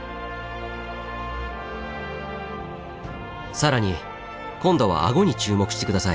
更に今度は顎に注目して下さい。